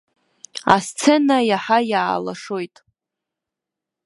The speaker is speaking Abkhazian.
Асцена иаҳа иаалашоит.